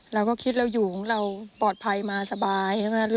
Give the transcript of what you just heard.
เราก็คิดเราอยู่เราปลอดภัยมาสบาย